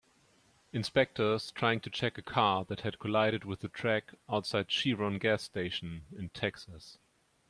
Inspectors trying to check a car that had collided with a track outside Chevron gas station in Texas